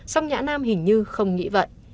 xong nhã nam hình như không nghĩ vận